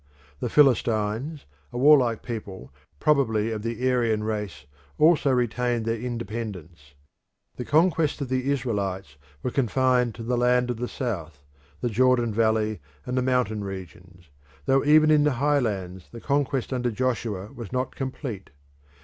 The Philistines, a warlike people probably of the Aryan race, also retained their independence. The conquests of the Israelites were confined to the land of the south, the Jordan valley and the mountain regions, though even in the highlands the conquest under Joshua was not complete.